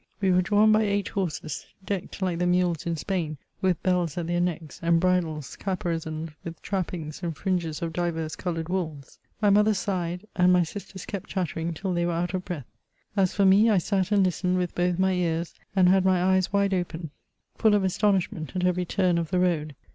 We were drawn by eight horses, decked, like the mules in Spain, with bells at .their necks, and bridles caparisoned with trappings and fringes of divers coloured wools. My mother sighed, and my sisters kept chattering till they were out of breath. As for me, I sat and listened with both my ears, and had my eyes wide open, full of astonishment at every turn of the road.